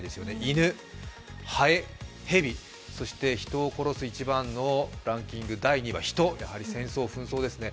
ハエ、ヘビ、そして人を殺す一番のランキング２位はヒト、やはり戦争、紛争ですね。